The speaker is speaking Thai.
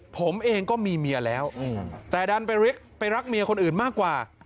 ผมเองก็มีเมียแล้วแต่ดันไปรักเมียคนอื่นมากกว่า